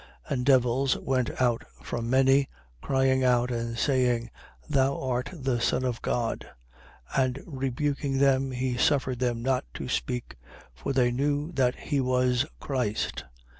4:41. And devils went out from many, crying out and saying: Thou art the son of God. And rebuking them he suffered them not to speak; for they knew that he was Christ.